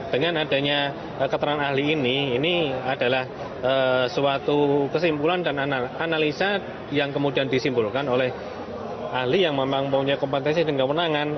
dengan adanya keterangan ahli ini ini adalah suatu kesimpulan dan analisa yang kemudian disimpulkan oleh ahli yang memang punya kompetensi dengan kewenangan